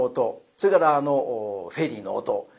それからあのフェリーの音。